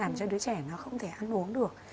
làm cho đứa trẻ nó không thể ăn uống được